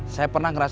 saya pernah ngerasain